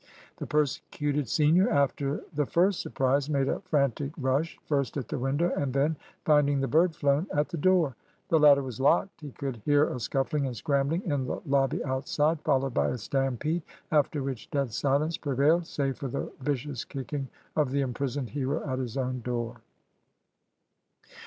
The persecuted senior, after the first surprise, made a frantic rush, first at the window, and then, finding the bird flown, at the door. The latter was locked. He could hear a scuffling and scrambling in the lobby outside, followed by a stampede; after which dead silence prevailed, save for the vicious kicking of the imprisoned hero at his own door.